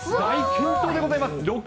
健闘でございます。